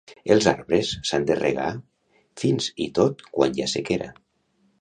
Els arbres s'han de regar fins hi tot quant hi ha sequera